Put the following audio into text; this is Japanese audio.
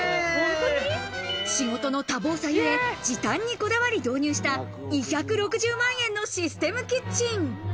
仕事の多忙さゆえ、時短にこだわり導入した２６０万円のシステムキッチン。